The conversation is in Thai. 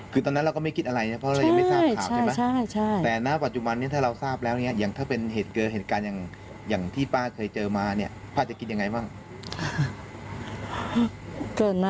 คือตอนนั้นเราก็ไม่คิดอะไรเนี่ยเพราะเรายังไม่ทราบข่าวใช่ไหม